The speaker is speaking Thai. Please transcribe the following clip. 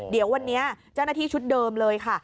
เดี๋ยววันนี้เจ้าหน้าที่ชุดเดิมเลยค่ะ